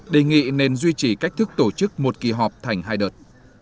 đề nghị nên duy trì cách thức tổ chức một kỳ họp thành hai đợt